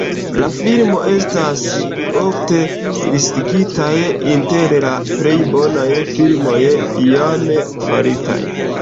La filmo estas ofte listigita inter la plej bonaj filmoj iame faritaj.